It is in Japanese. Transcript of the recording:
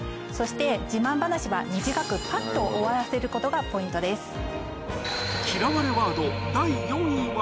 そして自慢話は短くパッと終わらせることがポイントです。